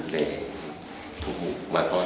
để phục vụ bà con